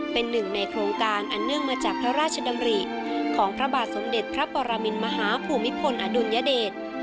เป็นหนึ่งในโครงการอันเนื่องมาจากพระราชดำริของพระบาทสมเด็จพระปรมินมหาภูมิพลอดุลยเดช